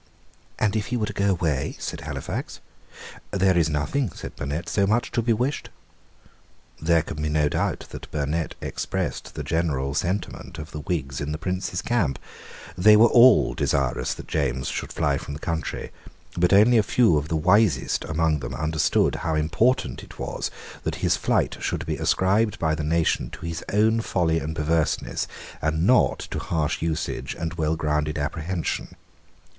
"And if he were to go away?" said Halifax. "There is nothing," said Burnet, "so much to be wished." There can be no doubt that Burnet expressed the general sentiment of the Whigs in the Prince's camp. They were all desirous that James should fly from the country: but only a few of the wisest among them understood how important it was that his flight should be ascribed by the nation to his own folly and perverseness, and not to harsh usage and well grounded apprehension.